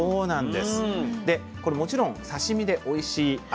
でこれもちろん刺身でおいしいあ